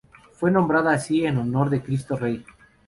Fue nombrada así en honor de Cristo Rey.